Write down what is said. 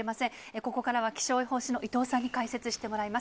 ここからは気象予報士の伊藤さんに解説してもらいます。